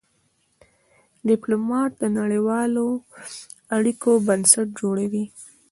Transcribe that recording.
ډيپلومات د نړېوالو اړیکو بنسټ جوړوي.